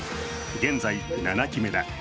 現在７期目だ。